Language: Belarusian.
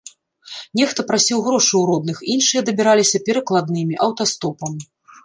Нехта прасіў грошы ў родных, іншыя дабіраліся перакладнымі, аўтастопам.